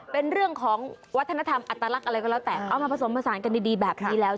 เป็นเรื่องของวัฒนธรรมอัตลักษณ์อะไรก็แล้วแต่เอามาผสมผสานกันดีแบบนี้แล้ว